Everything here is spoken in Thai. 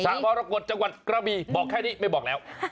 มรกฏจังหวัดกระบีบอกแค่นี้ไม่บอกแล้ว